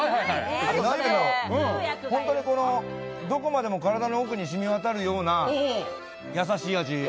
本当にこの、どこまでも体の奥に染みわたるような、やさしい味。